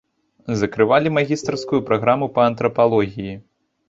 Закрывалі магістарскую праграму па антрапалогіі.